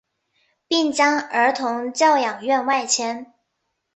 并将儿童教养院外迁。